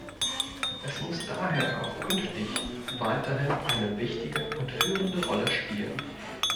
Es muss daher auch künftig weiterhin eine wichtige und führende Rolle spielen.